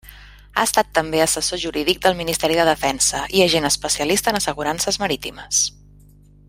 Ha estat també assessor jurídic del Ministeri de Defensa i agent especialista en assegurances marítimes.